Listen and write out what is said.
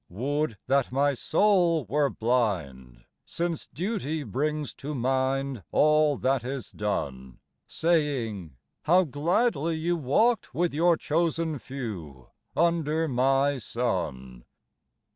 Would that my soul were blind, Since duty brings to mind All that is done, Saying, 'How gladly you Walked with your chosen few Under my sun.